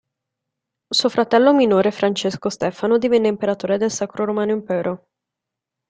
Suo fratello minore Francesco Stefano divenne imperatore del Sacro Romano Impero.